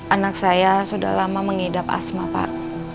anak saya sudah lama mengidap asma pak